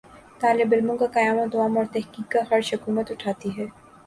طالب علموں کا قیام و طعام اور تحقیق کا خرچ حکومت اٹھاتی ہے